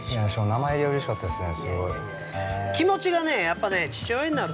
◆名前がうれしかったですね。